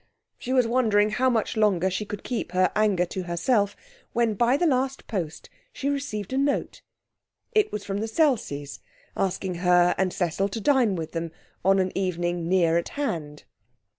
She was wondering how much longer she could keep her anger to herself, when by the last post she received a note. It was from the Selseys, asking her and Cecil to dine with them on an evening near at hand.